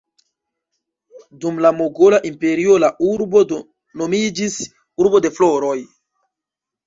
Dum la Mogola Imperio la urbo nomiĝis "Urbo de floroj".